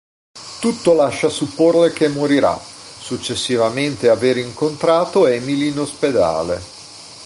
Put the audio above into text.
Tutto lascia supporre che morirà, successivamente aver incontrato Emily in ospedale.